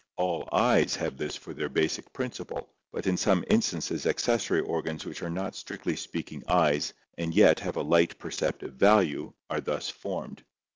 All eyes have this for their basic principle, but in some instances accessory organs which are not strictly speaking eyes and yet have a light perceptive value are thus formed.